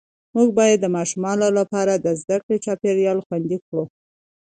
موږ باید د ماشومانو لپاره د زده کړې چاپېریال خوندي کړو